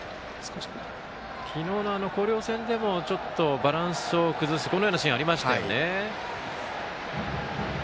昨日の広陵戦でもちょっとバランスを崩すこのようなシーンありましたよね。